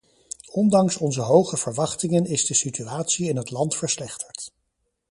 Ondanks onze hoge verwachtingen is de situatie in het land verslechterd.